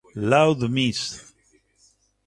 Laud Misc.